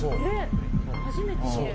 初めて見る。